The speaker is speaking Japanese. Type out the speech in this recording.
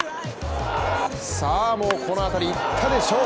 もうこの当たり、いったでしょう。